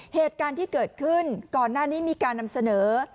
เหตุการณ์ที่เกิดขึ้นก่อนหน้านี้มีการนำเสนอ